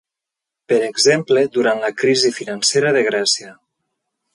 Per exemple, durant la crisi financera de Grècia.